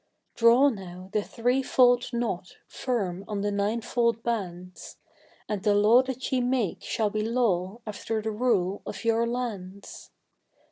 Draw now the three fold knot firm on the nine fold bands, And the Law that ye make shall be law after the rule of your lands.